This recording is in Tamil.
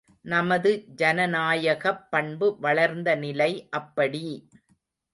நமது ஜனநாயகப் பண்பு வளர்ந்த நிலை அப்படி!